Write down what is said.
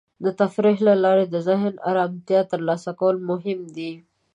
د تفریح له لارې د ذهن ارامتیا ترلاسه کول مهم دی.